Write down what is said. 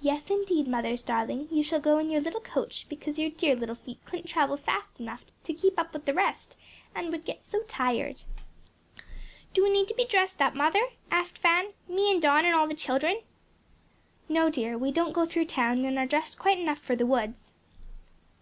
"Yes, indeed, mother's darling; you shall go in your little coach; because your dear little feet couldn't travel fast enough to keep up with the rest, and would get so tired." "Do we need to be dressed up, mother?" asked Fan, "me and Don and all the children?" "No, dear; we don't go through town and are dressed quite enough for the woods."